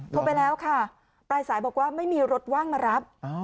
โทรไปแล้วค่ะปลายสายบอกว่าไม่มีรถว่างมารับ